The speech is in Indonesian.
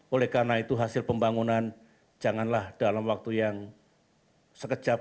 oleh karena itu hasil pembangunan janganlah dalam waktu yang sekejap